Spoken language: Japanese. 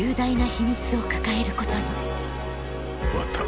終わった。